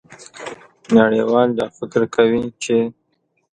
نړیوال دا فکر کوي چې